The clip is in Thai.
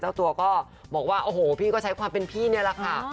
เจ้าตัวก็บอกว่าโอ้โหพี่ก็ใช้ความเป็นพี่นี่แหละค่ะ